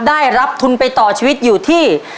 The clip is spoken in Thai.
ได้รับทุนไปต่อชีวิตอยู่ที่